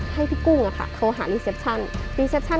ให้พี่กุ้งเขาหารีเซ็ปชั่น